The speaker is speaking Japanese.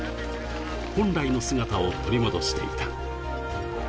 本来の姿を取り戻していた。